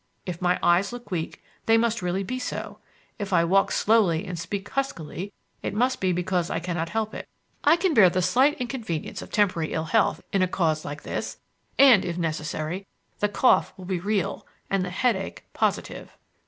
If my eyes look weak, they must really be so. If I walk slowly and speak huskily, it must be because I cannot help it. I can bear the slight inconvenience of temporary ill health in a cause like this; and if necessary the cough will be real, and the headache positive.